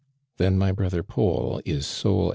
"Then my brother Paul is sole heir?"